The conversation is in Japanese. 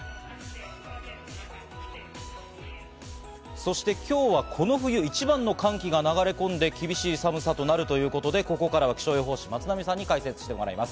そして今日はこの冬一番の寒気が流れ込んで厳しい寒さとなるということで、ここからは気象予報士の松並さんに解説していただきます。